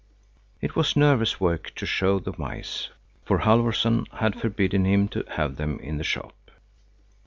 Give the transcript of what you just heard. It was nervous work to show the mice, for Halfvorson had forbidden him to have them in the shop.